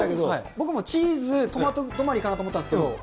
僕も、チーズ、トマト止まりかなと思ったんですけれども、